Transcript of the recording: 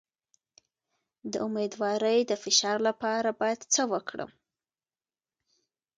د امیدوارۍ د فشار لپاره باید څه وکړم؟